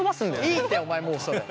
いいってお前もうそれ。